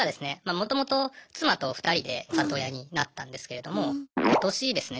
もともと妻と２人で里親になったんですけれども今年ですね